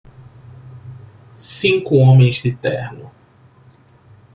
Cinco homens de terno.